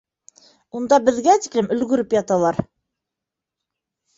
Унда беҙгә тиклем өлгөрөп яталар.